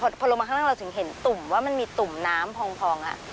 พอลงมาข้างล่างเราถึงเห็นตุ่มว่ามันมีตุ่มน้ำพอง